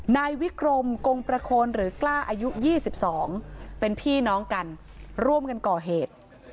นายวิกรมกงประโคนหรือกล้าอายุ๒๒เป็นพี่น้องกันร่วมกันก่อเหตุ